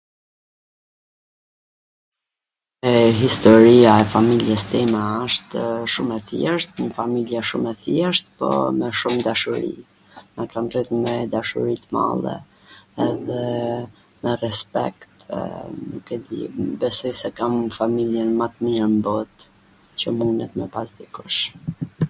historia e familjes time ashtw shum e thjesht, njw familje shum e thjesht, po me shum dashuri, e kam gjet me dashuri t madhe edhe... me respekt, nuk e di ... besoj se kam familjen ma t mir n bot qw munet me pas dikush